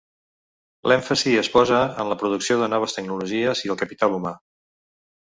L'èmfasi es posa en la producció de noves tecnologies i al capital humà.